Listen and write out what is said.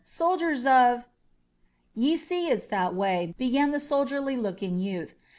"Soldiers of !" "Ye see it's this way," began the soldierly looking youth.